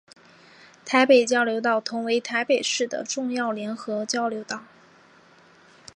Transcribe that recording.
台北交流道同为台北市的重要联外交流道。